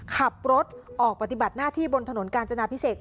ขับรถออกปฏิบัติหน้าที่บนถนนกาญจนาพิเศษ